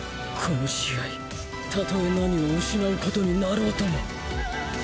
この試合たとえ何を失うことになろうとも